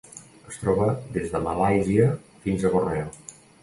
Es troba des de Malàisia fins a Borneo.